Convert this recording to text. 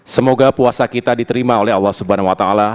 semoga puasa kita diterima oleh allah swt